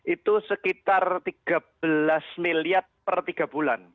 itu sekitar tiga belas miliar per tiga bulan